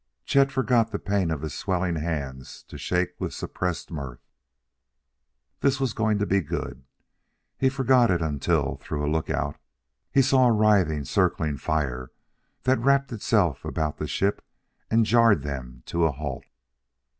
Chet forgot the pain of his swelling hands to shake with suppressed mirth. This was going to be good! He forgot it until, through a lookout, he saw a writhing, circling fire that wrapped itself about the ship and jarred them to a halt.